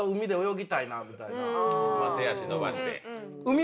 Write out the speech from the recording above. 手足伸ばして。